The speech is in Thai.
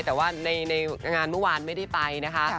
แต่ว่าในงานเมื่อวานไม่ได้ไปนะคะ